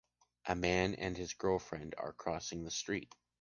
A man and his girlfriend are crossing the street.